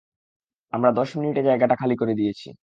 আমরা দশ মিনিটে জায়গাটা খালি করে দিয়েছি।